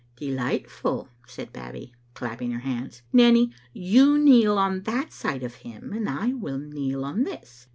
"Delightful!" said Babbie, clapping her hands. "Nanny, you kneel on that side of him, and I will kneel on this.